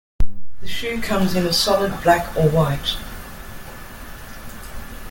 The shoe comes in a solid black or white.